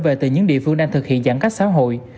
về từ những địa phương đang thực hiện giãn cách xã hội